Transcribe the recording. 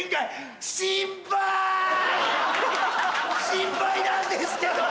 心配なんですけど。